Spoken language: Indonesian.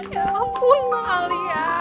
ya ampun ma alia